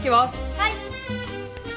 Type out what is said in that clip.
はい！